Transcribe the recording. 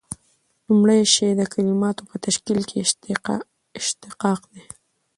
لومړی شی د کلیماتو په تشکیل کښي اشتقاق دئ.